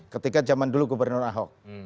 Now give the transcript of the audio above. ketika zaman dulu gubernur ahok